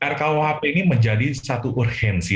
rkuhp ini menjadi satu urgensi